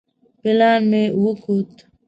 پلان مې وکوت.